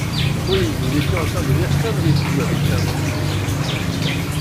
Oui, nous étions en train de rire comme des fous avec Fernande et Joséphine.